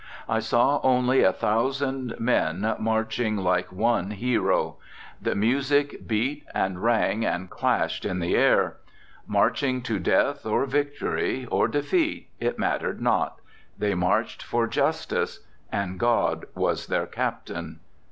I saw only a thousand men marching like one hero. The music beat and rang and clashed in the air. Marching to death or victory or defeat, it mattered not. They marched for Justice, and God was their captain.